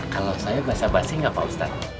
kalau saya basah basih gak pak ustadz